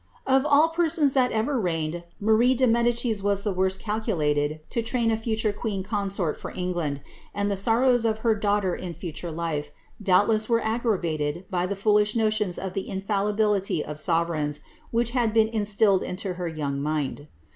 Of all persons that ever reigned, Marie de Medicis was the worst cal rulated to train a future queen consort for England, and the sorrows of her daughter in future life, doubtless were aggravated by the foolish notions of the infallibility of sovereigns which had been instilled into her young mind.